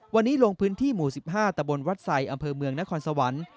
วันนี้ลงพื้นที่หมู่๑๕ตะบนวัดไซอำเภอเมืองนครสวรรค์